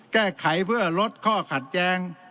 แก้ไขเพื่อลดข้อขัดแย้ง